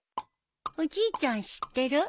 おじいちゃん知ってる？